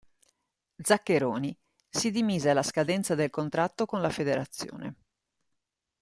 Zaccheroni si dimise alla scadenza del contratto con la federazione.